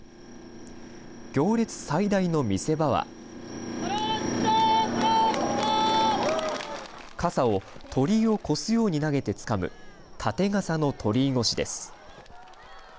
行列最大の見せ場は傘をとりいを越すように投げてつかむ立傘の鳥居越しです。